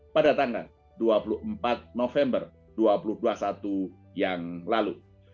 pada tanggal dua puluh empat november dua ribu dua puluh satu yang lalu